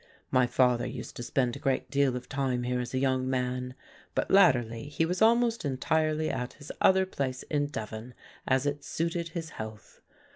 My father used to spend a great deal of time here as a young man, but latterly he was almost entirely at his other place in Devon as it suited his health.